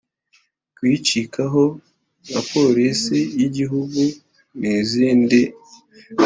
kuyicikaho nka porisi y'Igihugu n'izindi.